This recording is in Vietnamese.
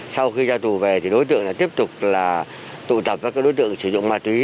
sau khi ra tù về thì đối tượng đã tiếp tục là tụ tập các đối tượng sử dụng ma túy